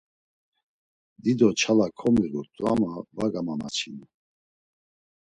Dido nçala komiğut̆u ama var gamamaçinu.